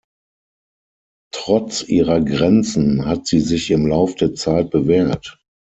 Trotz ihrer Grenzen hat sie sich im Lauf der Zeit bewährt.